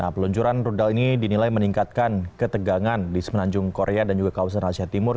peluncuran rudal ini dinilai meningkatkan ketegangan di semenanjung korea dan juga kawasan asia timur